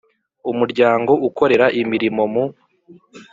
Umuryango ukorera imirimo mu